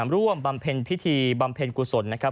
บำเพ็ญพิธีบำเพ็ญกุศลนะครับ